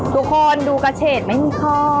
ทุกคนดูกระเฉดไม่มีข้อ